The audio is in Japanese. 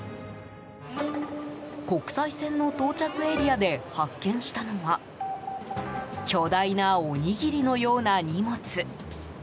国際線の到着エリアで発見したのは巨大なおにぎりのような荷物。